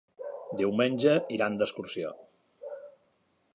Diumenge iran d'excursió.